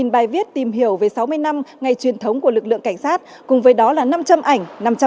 một mươi bài viết tìm hiểu về sáu mươi năm ngày truyền thống của lực lượng cảnh sát cùng với đó là năm trăm linh ảnh